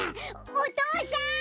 お父さん！